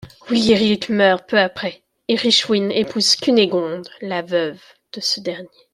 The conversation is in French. Wigéric meurt peu après et Richwin épouse Cunégonde, la veuve de ce dernier.